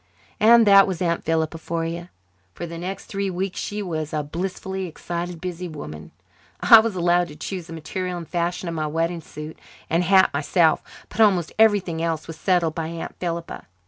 And that was Aunt Philippa for you. For the next three weeks she was a blissfully excited, busy woman. I was allowed to choose the material and fashion of my wedding suit and hat myself, but almost everything else was settled by Aunt Philippa.